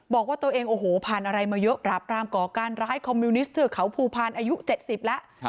บอกว่าตัวเองโอ้โหผ่านอะไรมาเยอะปราบรามก่อการร้ายคอมมิวนิสเทือกเขาภูพาลอายุ๗๐แล้ว